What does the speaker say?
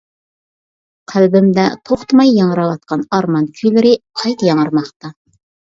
قەلبىمدە توختىماي ياڭراۋاتقان ئارمان كۈيلىرى قايتا ياڭرىماقتا.